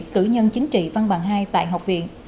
cử nhân chính trị văn bằng hai tại học viện